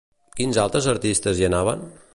Quins altres artistes hi anaven?